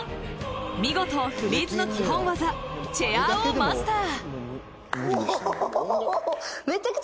見事、フリーズの基本技チェアーをマスター。